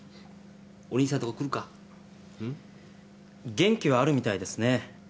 元気はあるみたいですね。